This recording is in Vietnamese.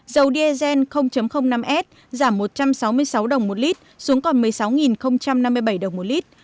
dầu diesel năm s giảm một trăm sáu mươi sáu đồng một lít xuống còn một mươi sáu năm mươi bảy đồng một lít